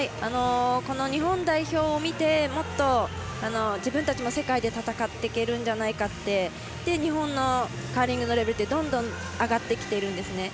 この日本代表を見てもっと自分たちも、世界で戦っていけるんじゃないかって日本のカーリングのレベルはどんどん上がってきているんです。